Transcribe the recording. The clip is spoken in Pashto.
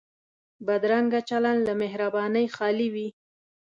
بدرنګه چلند له مهربانۍ خالي وي